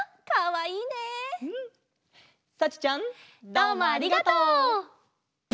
どうもありがとう！